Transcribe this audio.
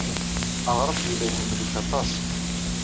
Aɣref yella iḥemmel-ik aṭas.